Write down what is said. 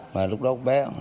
mà lúc đó bé hoang